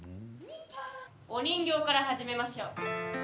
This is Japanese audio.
お人形から始めましょう。